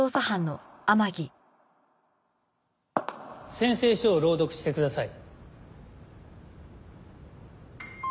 宣誓書を朗読してください。